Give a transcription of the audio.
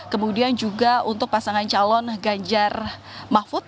kemudian juga untuk pasangan calon ganjar mahfud